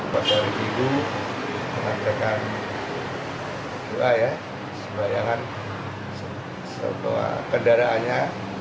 pasal hari itu menantikan sebayangkan sebuah kendaraannya